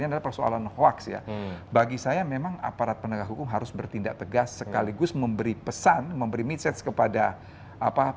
ini adalah persoalan hoaks ya bagi saya memang aparat penegak hukum harus bertindak tegas sekaligus memberi pesan memberi midsets kepada pembeli atau pemilik